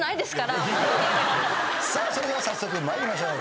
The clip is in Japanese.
では早速参りましょう。